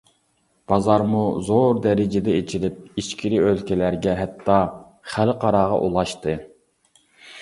بازارمۇ زور دەرىجىدە ئېچىلىپ، ئىچكىرى ئۆلكىلەرگە، ھەتتا خەلقئاراغا ئۇلاشتى.